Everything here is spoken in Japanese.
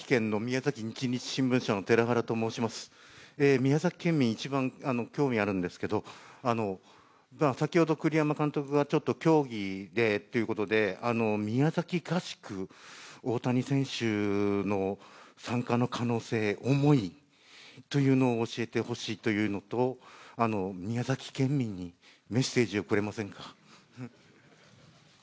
宮崎県民、一番興味があるんですけど、先ほど栗山監督が競技でということで宮崎合宿、大谷選手の参加の可能性思いというのを教えてほしいというのと宮崎県民にメッセージをくれませんか？